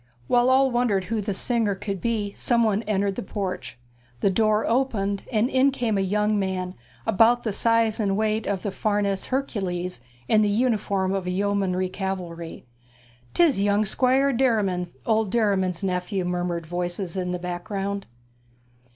While all wondered who the singer could be somebody entered the porch; the door opened, and in came a young man, about the size and weight of the Farnese Hercules, in the uniform of the yeomanry cavalry. ''Tis young Squire Derriman, old Mr. Derriman's nephew,' murmured voices in the background.